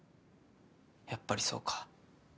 やっぱりそうか。